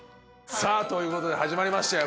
さあということで始まりましたよ